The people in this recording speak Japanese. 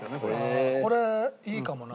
これいいかもな。